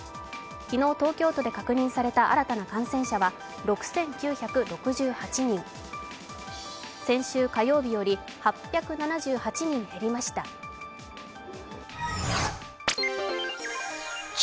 昨日、東京都で確認された新たな感染者は６９６８人、先週火曜日より８７８人減りました。